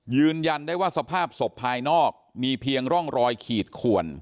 ยืนยันได้ว่าสภาพศพภายนอกมีเพียงร่องรอยขีดขวน